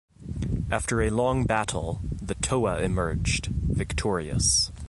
After a long battle, the Toa emerged, victorious.